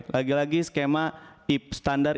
lagi lagi skema ip standar